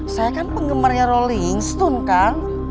saya kan penggemarnya rolling stone kan